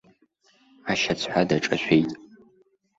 Ашьацҳәа даҿашәеит!